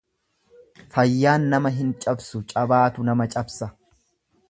Fayyaan nama hin cabsu cabaatu nama cabsa.